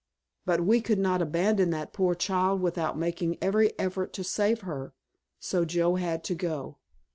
But we could not abandon that poor child without making every effort to save her, so Joe had to go.